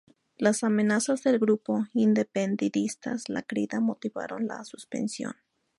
Las amenazas del grupo independentista La Crida motivaron la suspensión.